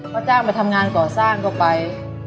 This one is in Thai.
เขาจ้างไปทำงานก่อสร้างก็ไป